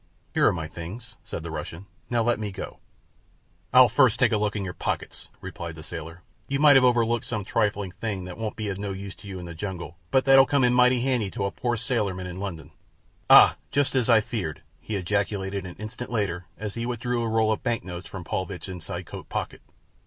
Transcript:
"Here are my things," said the Russian; "now let me go." "I'll first take a look in your pockets," replied the sailor. "You might have overlooked some trifling thing that won't be of no use to you in the jungle, but that'll come in mighty handy to a poor sailorman in London. Ah! just as I feared," he ejaculated an instant later as he withdrew a roll of bank notes from Paulvitch's inside coat pocket.